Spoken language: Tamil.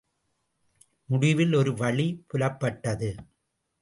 முடிவில் ஒரு வழி புலப்பட்டது.